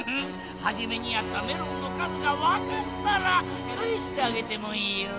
はじめにあったメロンの数がわかったらかえしてあげてもいいよ。